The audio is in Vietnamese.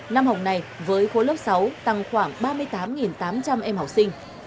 năm học này với khối lớp sáu tăng khoảng ba mươi tám tám trăm linh em học sinh